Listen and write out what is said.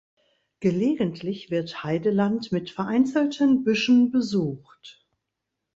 Gelegentlich wird Heideland mit vereinzelten Büschen besucht.